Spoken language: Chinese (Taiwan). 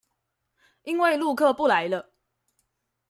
因為陸客不來了